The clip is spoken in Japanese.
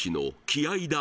気合いだ